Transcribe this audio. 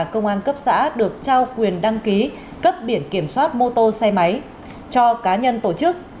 công an cấp xã được trao quyền đăng ký cấp biển kiểm soát mô tô xe máy cho cá nhân tổ chức